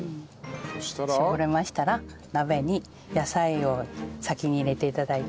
絞れましたら鍋に野菜を先に入れて頂いて。